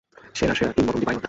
সেরার সেরা, কিংবদন্তি পাইলট।